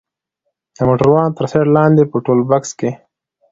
د موټروان تر سيټ لاندې په ټولبکس کښې.